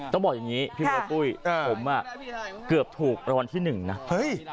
ต้องบอกอย่างนี้พี่เบิร์ดปุ้ยผมอ่ะเกือบถูกรางวัลที่หนึ่งนะเฮ้ย